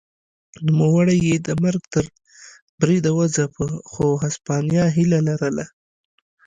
نوموړی یې د مرګ تر بریده وځپه خو هسپانیا هیله لرله.